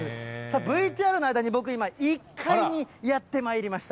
ＶＴＲの間に僕、今、１階にやってまいりました。